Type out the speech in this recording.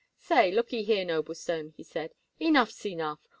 "Say, looky here, Noblestone," he said, "enough's enough.